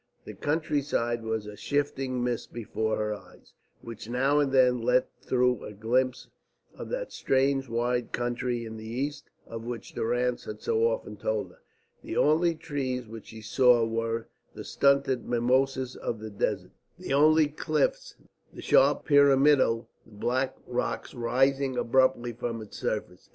The country side was a shifting mist before her eyes, which now and then let through a glimpse of that strange wide country in the East, of which Durrance had so often told her. The only trees which she saw were the stunted mimosas of the desert; the only sea the great stretches of yellow sand; the only cliffs the sharp peaked pyramidal black rocks rising abruptly from its surface.